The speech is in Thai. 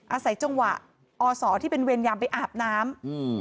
อาศัยจังหวะอศที่เป็นเวรยามไปอาบน้ำอืม